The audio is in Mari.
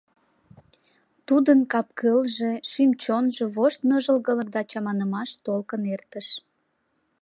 Тудын капкылже, шӱм-чонжо вошт ныжылгылык да чаманымаш толкын эртыш.